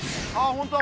本当だ！